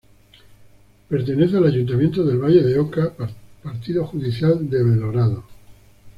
Pertenece al ayuntamiento del Valle de Oca, partido judicial de Belorado.